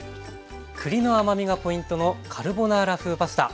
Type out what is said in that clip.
栗の甘みがポイントのカルボナーラ風パスタ。